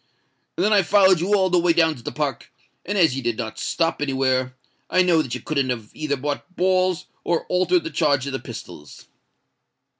Then I followed you all the way down to the Park; and as you did not stop anywhere, I know that you couldn't have either bought balls or altered the charge of the pistols."